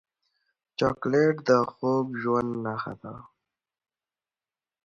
چاکلېټ د خوږ ژوند نښه ده.